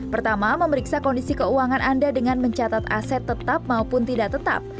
pertama memeriksa kondisi keuangan anda dengan mencatat aset tetap maupun tidak tetap